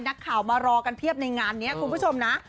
นักข่าวมารอกันเพียบในงานนี้คุณผู้ชมนะ